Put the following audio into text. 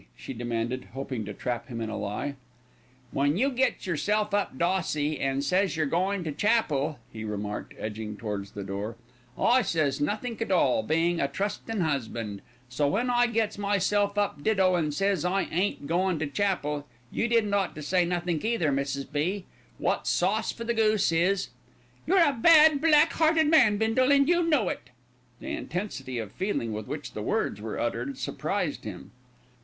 she demanded, hoping to trap him in a lie. "When you gets yerself up dossy an' says you're goin' to chapel," he remarked, edging towards the door, "I says nothink at all, bein' a trustin' 'usband; so when I gets myself up ditto an' says I ain't goin' to chapel, you didn't ought to say nothink either, Mrs. B. Wot's sauce for the goose is " "You're a bad, black hearted man, Bindle, and you know it." The intensity of feeling with which the words were uttered surprised him.